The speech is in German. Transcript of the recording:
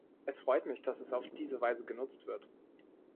Es freut mich, dass es auf diese Weise genutzt wird.